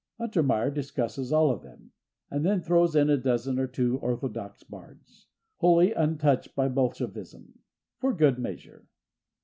Untermeyer discusses all of them, and then throws in a dozen or two orthodox bards, wholly untouched by Bolshevism, for good measure.